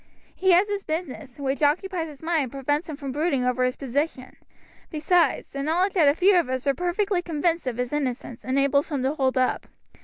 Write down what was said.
He has his business, which occupies his mind and prevents him from brooding over his position; besides, the knowledge that a few of us are perfectly convinced of his innocence enables him to hold up.